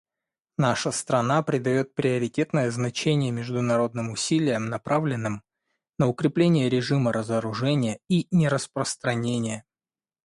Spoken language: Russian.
Наша страна придает приоритетное значение международным усилиям, направленным на укрепление режима разоружения и нераспространения.